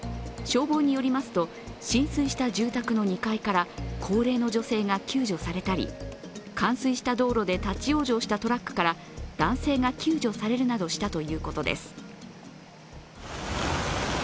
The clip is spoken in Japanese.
消防によりますと浸水した住宅の２階から高齢の女性が救助されたり冠水した道路で立往生したトラックから男性が救助されるなどしたということです。